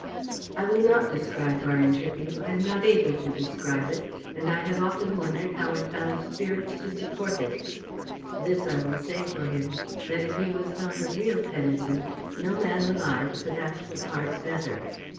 "I will not describe our interview I am not able to describe it, and I have often wondered how I found spirits to support it. This I will say for him, that, if he was not a real penitent, no man alive could act the part better.